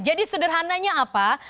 jadi sederhananya apa